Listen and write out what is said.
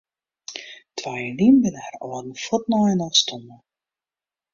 Twa jier lyn binne har âlden fuort nei inoar stoarn.